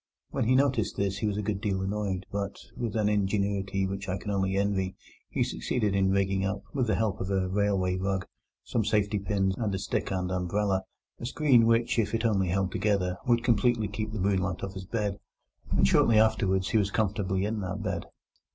When he noticed this he was a good deal annoyed, but, with an ingenuity which I can only envy, he succeeded in rigging up, with the help of a railway rug, some safety pins, and a stick and umbrella, a screen which, if it only held together, would completely keep the moonlight off his bed. And shortly afterwards he was comfortably in that bed.